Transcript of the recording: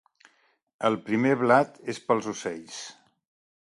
El primer blat és per als ocells.